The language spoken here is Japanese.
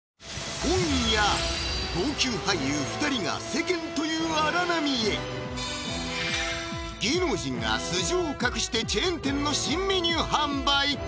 今夜号泣俳優２人が芸能人が素性を隠してチェーン店の新メニュー販売